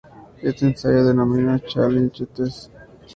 Este ensayo se denomina "challenge test".